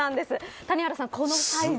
谷原さん、このサイズ。